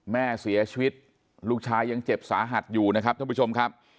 แม่เสียชีวิตลูกชายยังเจ็บสาหัสอยู่นะครับท่านผู้ชมครับ